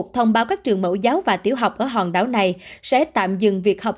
thông báo các trường mẫu giáo và tiểu học ở hòn đảo này sẽ tạm dừng việc học